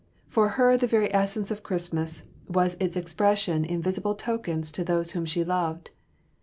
For her the very essence of Christmas was its expression in visible tokens to those whom she loved.